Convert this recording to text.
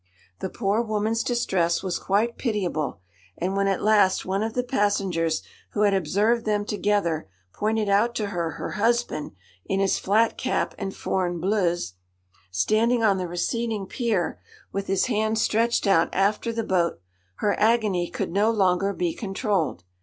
The poor woman's distress was quite pitiable, and when, at last, one of the passengers, who had observed them together, pointed out to her her husband, in his flat cap and foreign bleuse, standing on the receding pier, with his hands stretched out after the boat, her agony could no longer be controlled.